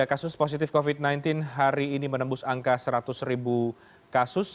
kasus positif covid sembilan belas hari ini menembus angka seratus ribu kasus